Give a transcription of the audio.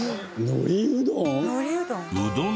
のりうどん？